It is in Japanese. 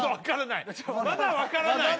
まだ分からない